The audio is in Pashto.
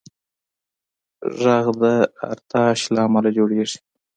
غږ د ارتعاش له امله جوړېږي.